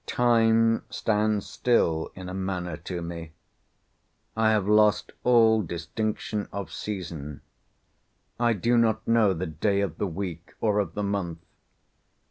Time stands still in a manner to me. I have lost all distinction of season. I do not know the day of the week, or of the month.